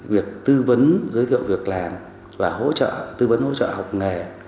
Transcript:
việc tư vấn giới thiệu việc làm và tư vấn hỗ trợ học nghề